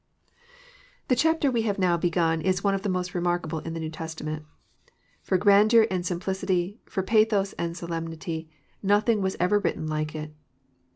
The chapter we have now began is one of the most re markable in the New Testament. For grandear and sim plicity, for pathos and solemnity, nothing was ever written like it.